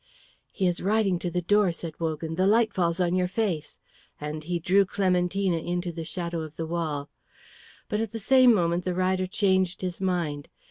"He is riding to the door," said Wogan. "The light falls on your face;" and he drew Clementina into the shadow of the wall. But at the same moment the rider changed his mind.